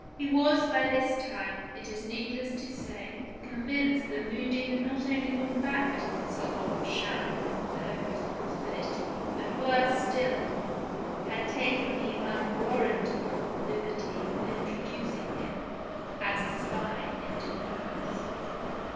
He was by this time, it is needless to say, convinced that Moody had not only gone back to consult Old Sharon on his own responsibility, but worse still, had taken the unwarrantable liberty of introducing him, as a spy, into the house.